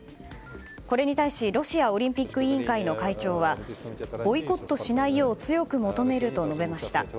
これに対し、ロシアオリンピック委員会の会長はボイコットしないよう強く求めると述べました。